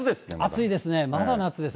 暑いですね、夏です。